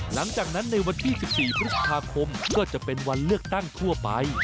หลังจากนั้นในวันที่๑๔พฤษภาคมก็จะเป็นวันเลือกตั้งทั่วไป